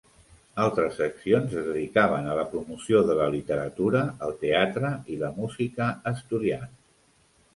Altres seccions es dedicaven a la promoció de la literatura, el teatre i la música asturians.